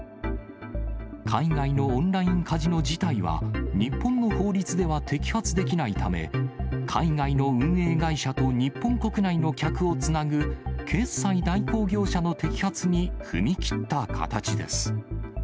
海外のオンラインカジノ自体は、日本の法律では摘発できないため、海外の運営会社と日本国内の客をつなぐ決済代行業者の摘発に踏み切った形です。